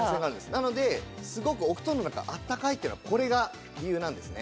なのですごくお布団の中があったかいっていうのはこれが理由なんですね。